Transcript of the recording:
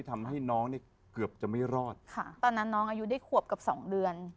ทำให้น้องเนี่ยเกือบจะไม่รอดค่ะตอนนั้นน้องอายุได้ขวบกับสองเดือน